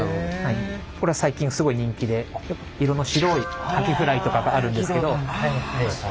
これは最近すごい人気で色の白いカキフライとかがあるんですけど。